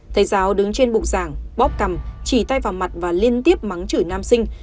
thầy giáo đứng trên bục giảng bóp cằm chỉ tay vào mặt và liên tiếp mắng chửi nam sinh